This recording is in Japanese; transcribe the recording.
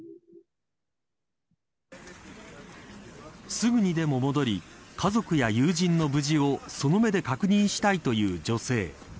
すぐにでも戻り家族や友人の無事をその目で確認したいという女性。